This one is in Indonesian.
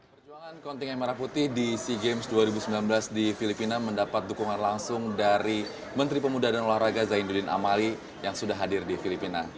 perjuangan kontingen merah putih di sea games dua ribu sembilan belas di filipina mendapat dukungan langsung dari menteri pemuda dan olahraga zainuddin amali yang sudah hadir di filipina